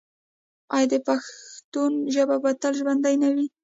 آیا د پښتنو ژبه به تل ژوندی نه وي؟